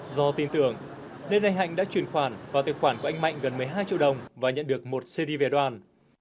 do tin tưởng đến đây hạnh đã chuyển khoản vào tiền khoản của anh mạnh gần một mươi hai triệu đồng và nhận được một cd về đoàn